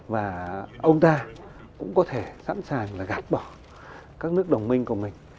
và ông ta cũng có thể sẵn sàng là gạt bỏ các nước đồng minh của mình